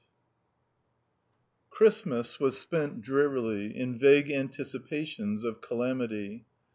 VIII[edit] Christmas was spent drearily in vague anticipations of calamity.